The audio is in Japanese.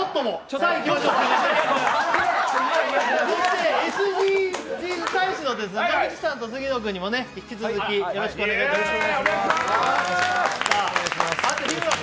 さて、ＳＤＧｓ大使の野口さんと杉野君にも引き続き、よろしくお願いします。